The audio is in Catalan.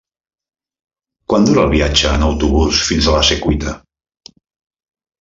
Quant dura el viatge en autobús fins a la Secuita?